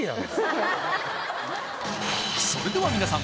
それではみなさん